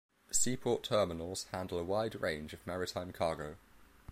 Seaport terminals handle a wide range of maritime cargo.